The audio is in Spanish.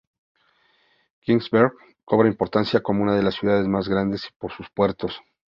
Königsberg cobra importancia como una de las ciudades más grandes y por sus puertos.